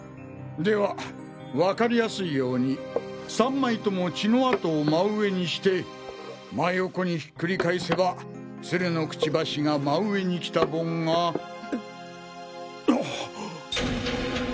ではわかりやすいように３枚とも血の跡を真上にして真横にひっくり返せば鶴のクチバシが真上にきた盆が。あ！？